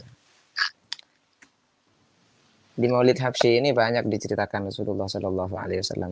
hai dimulai hapsi ini banyak diceritakan rasulullah shallallahu alaihi wasallam